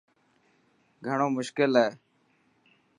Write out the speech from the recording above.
گھڻو مشڪل هي.